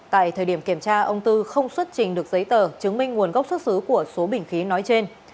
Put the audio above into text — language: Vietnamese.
tại thời điểm kiểm tra ông tư không xuất trình được giấy tờ chứng minh nguồn gốc xuất xứ của số bình khí nói trên